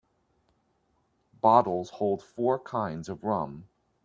Bottles hold four kinds of rum.